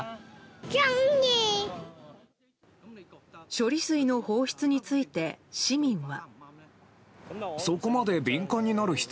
処理水の放出について市民は。